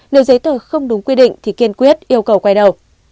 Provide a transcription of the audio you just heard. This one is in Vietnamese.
nếu giấy tờ không đúng quy định thì kiên quyết yêu cầu quay đầu